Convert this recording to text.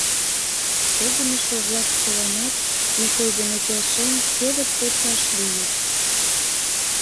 Погынышо-влак чыланат, ик ой дене келшен, кевыт почаш лийыч.